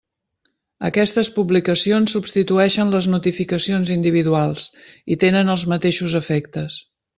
Aquestes publicacions substitueixen les notificacions individuals i tenen els mateixos efectes.